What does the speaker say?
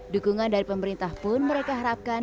dukungan dari pemerintah pun mereka harapkan